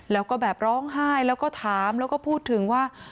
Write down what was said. แล้วก็แบบร้องไห้แล้วก็ถามแล้วก็พูดถึงว่า